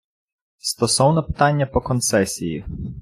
Стосовно питання по концесії.